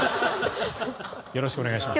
よろしくお願いします。